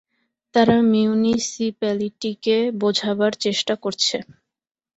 তারা মিউনিসিপ্যালিটিকে বোঝাবার চেষ্টা করছে।